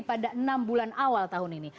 pada enam bulan awal tahun ini